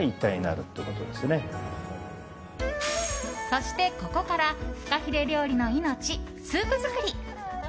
そしてここからフカヒレ料理の命、スープ作り。